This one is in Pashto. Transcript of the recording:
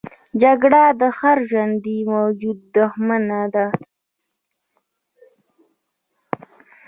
جګړه د هر ژوندي موجود دښمنه ده